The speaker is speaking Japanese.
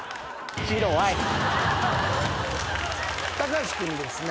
高橋君にですね。